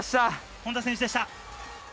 本多選手でした。